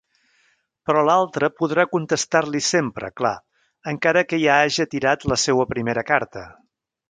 Però l'altre podrà contestar-li sempre, clar, encara que ja haja tirat la seua primera carta.